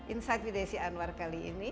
insight with desi anwar kali ini